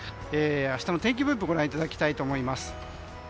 明日の天気分布をご覧いただきたいと思います。